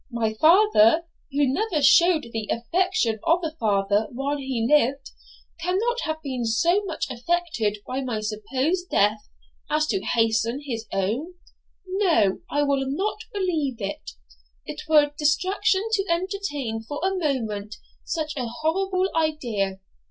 My father, who never showed the affection of a father while he lived, cannot have been so much affected by my supposed death as to hasten his own; no, I will not believe it, it were distraction to entertain for a moment such a horrible idea.